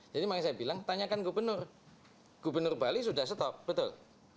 jadi makanya saya bilang tanyakan gubernur gubernur bali sudah stop betul